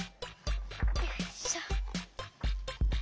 よいしょ。